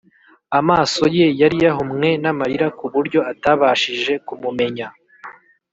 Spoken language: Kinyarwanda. amaso ye yari yahumwe n’amarira ku buryo atabashije kumumenya